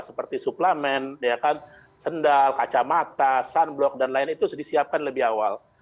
seperti suplemen ya kan sendal kacamata sunblock dan lainnya itu disiapkan lebih awal